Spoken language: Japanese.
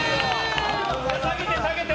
下げて、下げて！